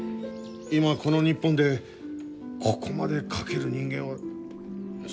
今この日本でここまで描ける人間は。